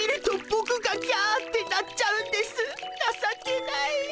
なさけない。